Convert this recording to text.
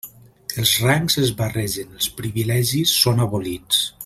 Els rangs es barregen, els privilegis són abolits.